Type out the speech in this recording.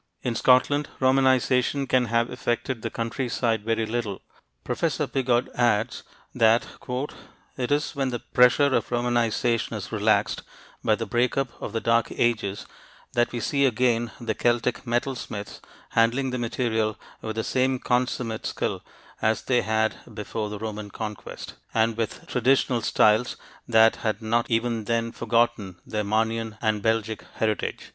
In Scotland, Romanization can have affected the countryside very little. Professor Piggott adds that "... it is when the pressure of Romanization is relaxed by the break up of the Dark Ages that we see again the Celtic metal smiths handling their material with the same consummate skill as they had before the Roman Conquest, and with traditional styles that had not even then forgotten their Marnian and Belgic heritage."